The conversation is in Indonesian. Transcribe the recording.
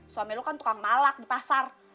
suami lu kan tukang malak di pasar